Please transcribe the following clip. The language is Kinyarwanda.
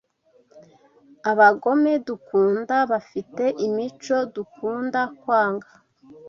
abagome dukunda bafite imico dukunda kwanga